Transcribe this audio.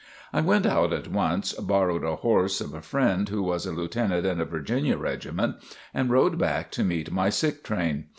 I went out at once, borrowed a horse of a friend who was a Lieutenant in a Virginia Regiment, and rode back to meet my sick train.